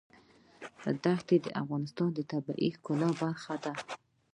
ښتې د افغانستان د طبیعت د ښکلا برخه ده.